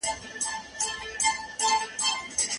په کورونو کې چې خبرې اترې شفاف وي، شخړې ژر حل کېږي.